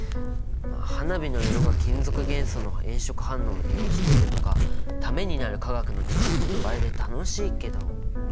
花火の色が金属元素の炎色反応を利用しているとかためになる化学の知識いっぱいで楽しいけどね。